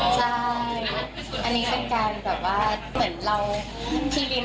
ใช่อันนี้เป็นการแบบว่าเหมือนเราทีนึง